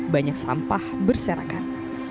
banyak sampah berserakan